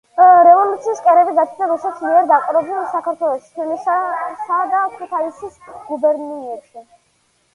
რევოლუციის კერები გაჩნდა რუსეთის მიერ დაპყრობილ საქართველოში, თბილისისა და ქუთაისის გუბერნიებში.